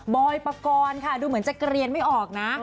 อยปกรณ์ค่ะดูเหมือนจะเกลียนไม่ออกนะ